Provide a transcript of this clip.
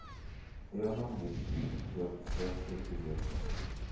Er war Mitglied der Zirkelgesellschaft.